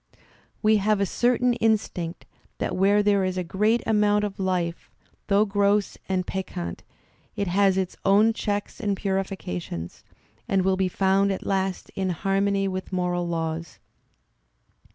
"We have a certain instinct that where there is a great amount of life, though gross and peccant, it has its own checks and purifications, and will be found at last in harmony with moral laws.''